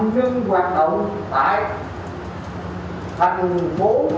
nhưng mà bắt buộc phải có giấy bí đường